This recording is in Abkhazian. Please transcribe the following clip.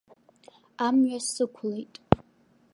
Амҩа сықәлеит.